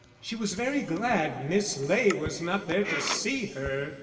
She was very glad Miss Ley was not there to see her.